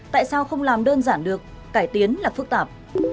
tại sao không làm đơn giản được cải tiến là phức tạp